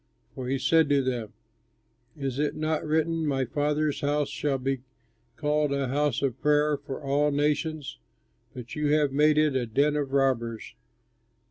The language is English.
For he said to them, "Is it not written, 'My house shall be called a house of prayer for all nations'? But you have made it a den of robbers!"